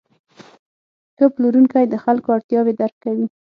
ښه پلورونکی د خلکو اړتیاوې درک کوي.